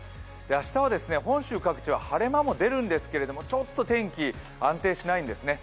明日は本州各地は晴れ間も出るんですけれどもちょっと天気、安定しないんですね。